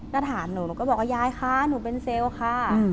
ก็ถามหนูหนูก็บอกว่ายายคะหนูเป็นเซลล์ค่ะ